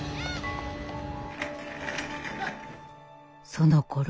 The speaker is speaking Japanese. そのころ